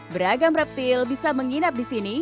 beragam reptil bisa menginap di sini